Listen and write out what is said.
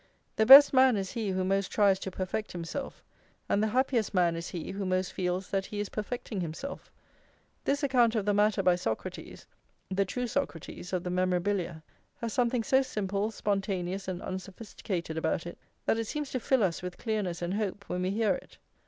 "The best man is he who most tries to perfect himself, and the happiest man is he who most feels that he is perfecting himself," this account of the matter by Socrates, the true Socrates of the Memorabilia, has something so simple, spontaneous, and unsophisticated about it, that it seems to fill us with clearness and hope when we hear it.